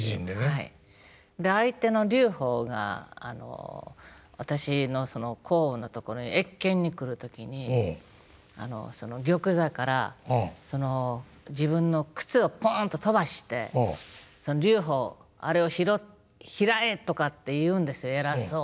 相手の劉邦が私の項羽のところに謁見に来る時に玉座から自分の靴をポンと飛ばして「劉邦あれを拾え」とかって言うんです偉そうに。